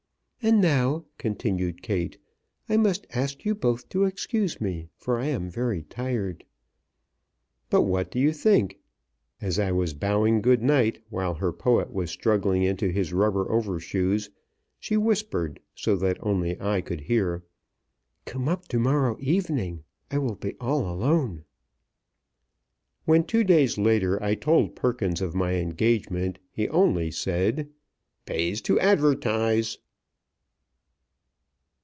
"And now," continued Kate, "I must ask you both to excuse me, for I am very tired." But what do you think! As I was bowing good night, while her poet was struggling into his rubber overshoes, she whispered, so that only I could hear: "Come up to morrow evening. I will be all alone!" When, two days later, I told Perkins of my engagement, he only said: "Pays to advertise."